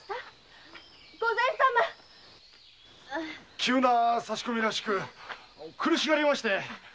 急な差し込みらしく苦しがりまして。